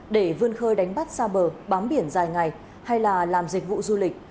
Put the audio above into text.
để vươn khơi đánh bắt xa bờ bám biển dài ngày hay là làm dịch vụ du lịch